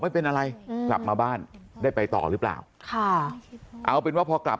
ไม่เป็นอะไรกลับมาบ้านได้ไปต่อหรือเปล่าค่ะเอาเป็นว่าพอกลับ